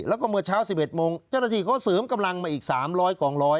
แล้วก็เมื่อเช้า๑๑โมงเจ้าหน้าที่เขาเสริมกำลังมาอีก๓๐๐กองร้อย